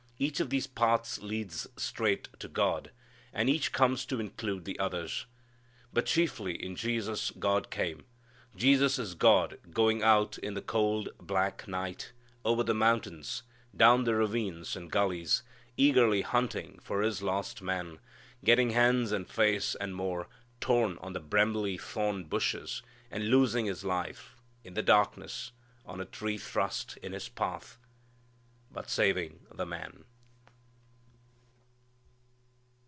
Each of these paths leads straight to God, and each comes to include the others. But chiefly in Jesus God came. Jesus is God going out in the cold black night, over the mountains, down the ravines and gullies, eagerly hunting for His lost man, getting hands, and face, and more, torn on the brambly thorn bushes, and losing His life, in the darkness, on a tree thrust in His path, but saving the man.